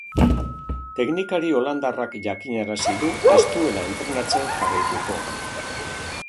Teknikari holandarrak jakinarazi du ez duela entrenatzen jarraituko.